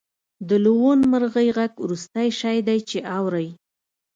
د لوون مرغۍ غږ وروستی شی دی چې اورئ